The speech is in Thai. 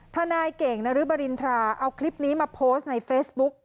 นายเก่งนรึบริณฑราเอาคลิปนี้มาโพสต์ในเฟซบุ๊ก